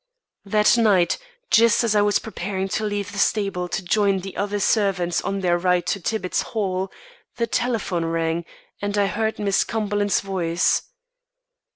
That night, just as I was preparing to leave the stable to join the other servants on their ride to Tibbitt's Hall, the telephone rang and I heard Miss Cumberland's voice.